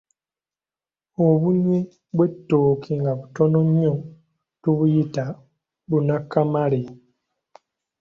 Obunwe bw'ettooke nga butono nnyo tubuyita bunakamale